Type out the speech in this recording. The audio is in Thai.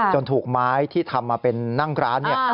จนถูกไม้ที่ทำมาเป็นนั่งกร้าน